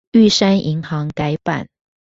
玉山銀行改版